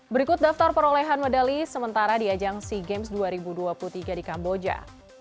berikut daftar perolehan medali sementara di ajang sea games dua ribu dua puluh tiga di kamboja